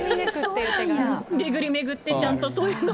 巡り巡ってちゃんと、そういうふうに。